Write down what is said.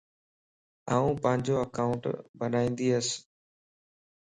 آن پانجو اڪائونٽ بنائيندياس